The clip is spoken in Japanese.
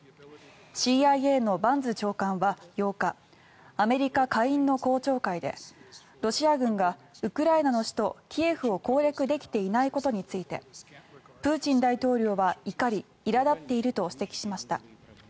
ＣＩＡのバーンズ長官は８日アメリカ下院の公聴会でロシア軍がウクライナの首都キエフを攻略できていないことについてプーチン大統領は怒りいら立っていると指摘しました。